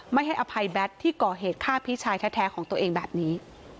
ให้อภัยแบทที่ก่อเหตุฆ่าพี่ชายแท้ของตัวเองแบบนี้